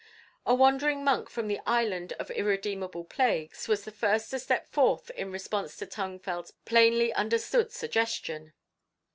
A wandering monk from the Island of Irredeemable Plagues was the first to step forth in response to Tung Fel's plainly understood suggestion.